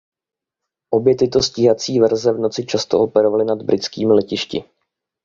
Obě tyto stíhací verze v noci často operovaly nad britskými letišti.